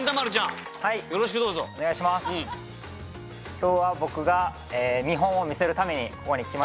今日は僕が見本を見せるためにここに来ました。